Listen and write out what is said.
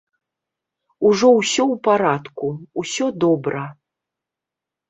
Ужо ўсё ў парадку, усё добра.